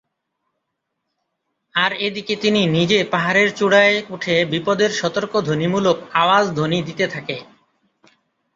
আর এ দিকে তিনি নিজে পাহাড়ের চূড়ায় উঠে বিপদের সতর্ক ধ্বনি মূলক আওয়াজ ধ্বনি দিতে থাকে।